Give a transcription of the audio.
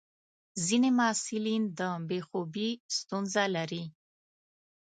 ځینې محصلین د بې خوبي ستونزه لري.